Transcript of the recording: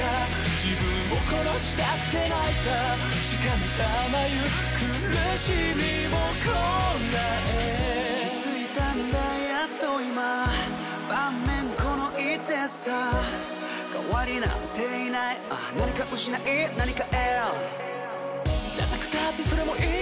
ジブンを殺したくて泣いたしかめた眉苦しみを堪え気付いたんだやっと今盤面この一手さ代わりなんていない何か失い何か得るダサくたってそれもいい